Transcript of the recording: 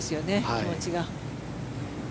気持ちが。